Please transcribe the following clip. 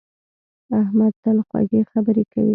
احمد تل خوږې خبرې کوي.